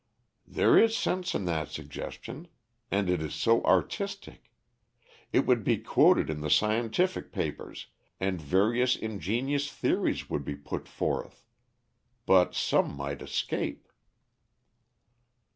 "There is sense in that suggestion. And it is so artistic. It would be quoted in the scientific papers and various ingenious theories would be put forth. But some might escape."